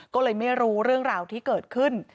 ก็เลยไม่รู้เรื่องราวที่เกิดขึ้น